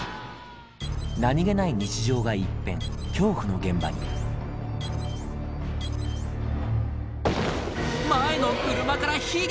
何げない日常が一変恐怖の現場に前の車から火が！